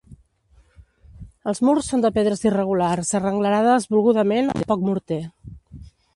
Els murs són de pedres irregulars arrenglerades volgudament amb poc morter.